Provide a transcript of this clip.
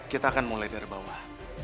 kita akan mulai dari bawah